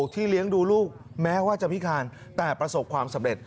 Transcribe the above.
เลี้ยงดูลูกแม้ว่าจะพิการแต่ประสบความสำเร็จ